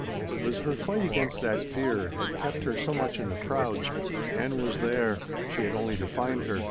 It was her fight against that fear had kept her so much in the crowds. Ann was there. She had only to find her.